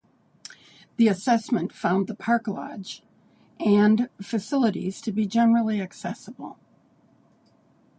The assessment found the park lodge and facilities to be generally accessible.